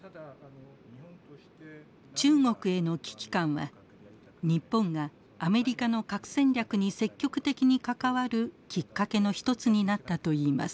中国への危機感は日本がアメリカの核戦略に積極的に関わるきっかけの一つになったといいます。